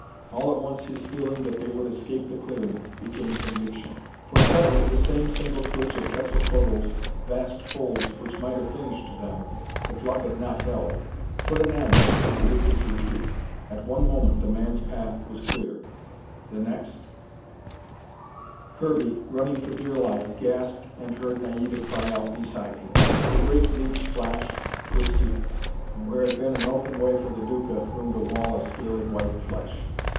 All at once his feeling that they would escape the clearing, became conviction. For suddenly the same single twitch of Quetzalcoatl's vast folds which might have finished them, if luck had not held, put an end to the Duca's retreat. At one moment the man's path was clear. The next Kirby, running for dear life, gasped, and heard Naida cry out beside him. The great loops flashed, twisted, and where had been an open way for the Duca, loomed a wall of scaly white flesh.